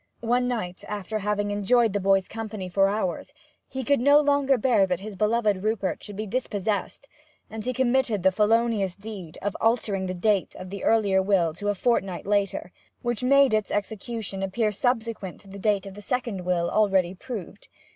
One night, after having enjoyed the boy's company for hours, he could no longer bear that his beloved Rupert should be dispossessed, and he committed the felonious deed of altering the date of the earlier will to a fortnight later, which made its execution appear subsequent to the date of the second will already proved.